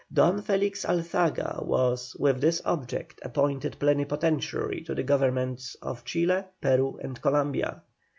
Don Felix Alzaga was, with this object, appointed plenipotentiary to the Governments of Chile, Peru, and Columbia.